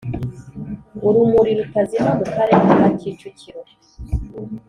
Urumuri rutazima mu Karere ka Kicukiro